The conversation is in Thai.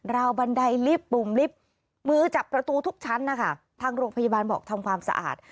วบันไดลิฟต์ปุ่มลิฟต์มือจับประตูทุกชั้นนะคะทางโรงพยาบาลบอกทำความสะอาด